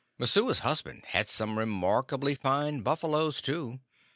Messua's husband had some remarkably fine buffaloes, too.